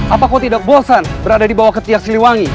apa kau tidak bosan berada di bawah ketiak siliwangi